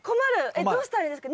えっどうしたらいいですか？